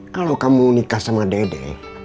kalau kamu nikah sama dede